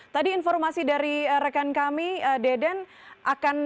tadi informasi dari rekan kami deden